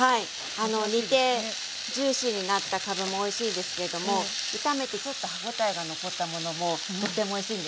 煮てジューシーになったかぶもおいしいですけれども炒めてちょっと歯ごたえが残ったものもとってもおいしいんですよ。